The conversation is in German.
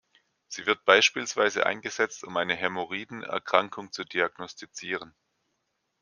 Sie wird beispielsweise eingesetzt, um eine Hämorrhoiden-Erkrankung zu diagnostizieren.